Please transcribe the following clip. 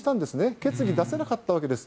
決議は出せなかったんですね。